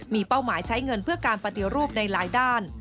มีเป้าหมายใช้เงินเพื่อการปฏิรูปในหลายด้าน